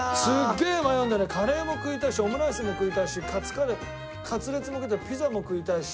カレーも食いたいしオムライスも食いたいしカツカレーカツレツも食いたいピザも食いたいし。